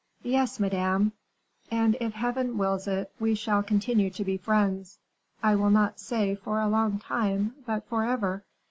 "Yes, madame: and if Heaven wills it, we shall continue to be friends, I will not say for a long time, but forever."